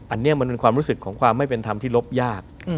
อันนี้มันเป็นความรู้สึกของความไม่เป็นธรรมที่ลบยาก